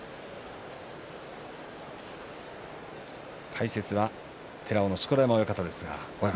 解説は寺尾の錣山親方です。